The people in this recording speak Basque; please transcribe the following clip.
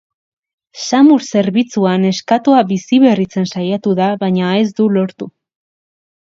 Samur zerbitzua neskatoa biziberritzen saiatu da baina ez du lortu.